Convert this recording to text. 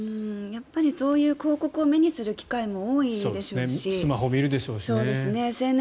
やっぱりそういう広告を目にする機会もスマホ見るでしょうしね。